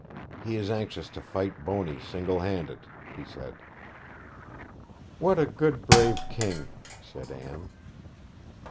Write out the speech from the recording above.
'He is anxious to fight Boney single handed,' he said. 'What a good, brave King!' said Anne.